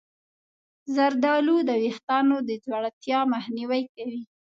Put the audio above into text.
زردآلو د ویښتانو د ځوړتیا مخنیوی کوي.